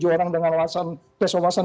delapan puluh tujuh orang dengan kesewasan